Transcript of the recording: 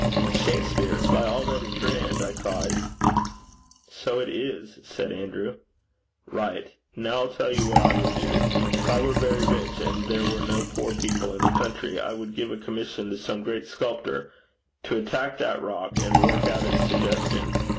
'Shakspere's, by all that is grand!' I cried. 'So it is,' said Andrew. 'Right. Now I'll tell you what I would do. If I were very rich, and there were no poor people in the country, I would give a commission to some great sculptor to attack that rock and work out its suggestion.